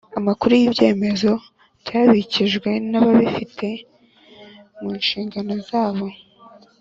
amakuru y ibyemezo byabikijwe n ababifite mu nshingano zabo